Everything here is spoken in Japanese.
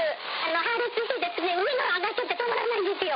破裂して上のほう上がっちゃって止まらないんですよ。